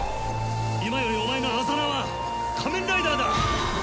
今よりお前の字は仮面ライダーだ！